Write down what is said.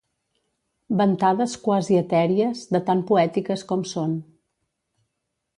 Ventades quasi etèries, de tan poètiques com són.